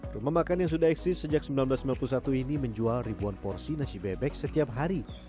rumah makan yang sudah eksis sejak seribu sembilan ratus sembilan puluh satu ini menjual ribuan porsi nasi bebek setiap hari